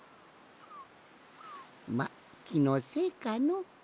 まっきのせいかの。